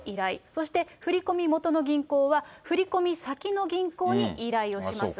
そして、振り込み元の銀行は、振り込み先の銀行に依頼をします。